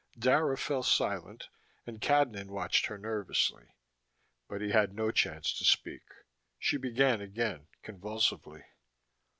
Dara fell silent and Cadnan watched her nervously. But he had no chance to speak: she began again, convulsively.